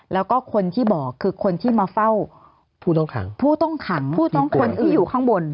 แล้วก็คนที่บอกคือคนที่มาเฝ้าผู้ต้องขังผู้ต้องขังผู้ต้องคนที่อยู่ข้างบน